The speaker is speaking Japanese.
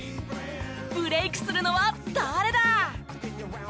ブレークするのは誰だ！？